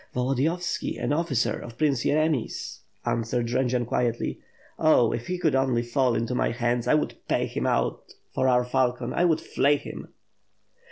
"Volodiyovski, an officer of Prince Yeremy's," answered Jendzian quietly. "Oh, if he could only fall into my hands, I would pay him out or our falcon; I would flay him!"